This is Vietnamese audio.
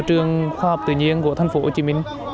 trường khoa học tự nhiên của thành phố hồ chí minh